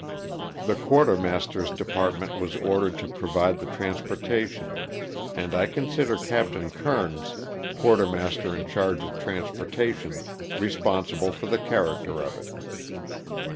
The quartermaster's department was ordered to provide the transportation, and I consider Captain Kernes, LOSS OF THE SULTAKA. 21 quartermaster in charge of transportation, responsible for the character of it.